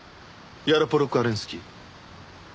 ヤロポロク・アレンスキー。